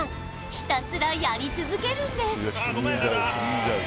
ひたすらやり続けるんです